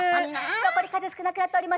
残り数少なくなっております。